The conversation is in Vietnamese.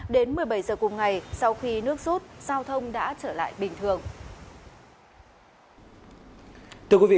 đến một mươi bảy giờ cùng ngày sau khi nước rút giao thông đã trở lại bình thường